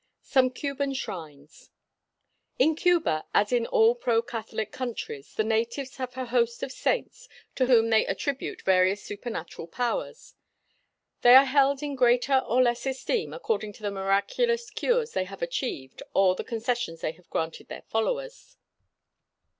SOME CUBAN SHRINES In Cuba as in all pro Catholic countries the natives have a host of saints to whom they attribute various supernatural powers; they are held in greater or less esteem according to the miraculous cures they have achieved or the concessions they have granted their followers.